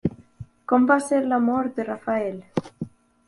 Com va ser la mort de Rafael?